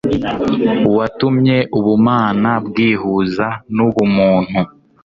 watumye ubumana bwihuza n'ubumuntu.